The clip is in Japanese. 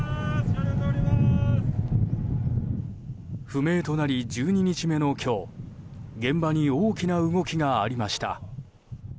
不明となり１２日目の今日現場に大きな動きがありました。